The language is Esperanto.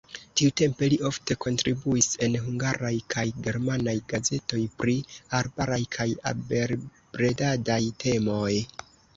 Tiutempe li ofte kontribuis en hungaraj kaj germanaj gazetoj pri arbaraj kaj abelbredadaj temoj.